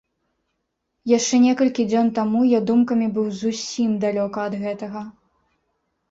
Яшчэ некалькі дзён таму я думкамі быў зусім далёка ад гэтага!